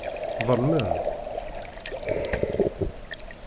Ḍelmen.